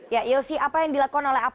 ya yosi apa yang dilakukan oleh apa